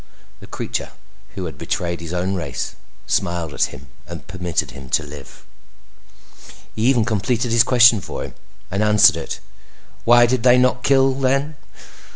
The creature who had betrayed his own race smiled at him and permitted him to live. He even completed his question for him, and answered it. "Why did they not kill then?